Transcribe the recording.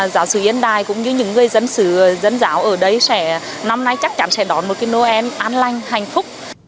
giáo sứ yên đại cũng như những người dân giáo ở đây năm nay chắc chắn sẽ đón một cái noel an lanh hạnh phúc